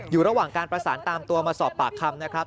อยู่ระหว่างการประสานตามตัวมาสอบปากคำนะครับ